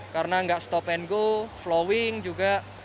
karena tidak stop and go flowing juga